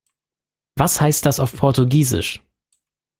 Was heißt das auf Portugiesisch?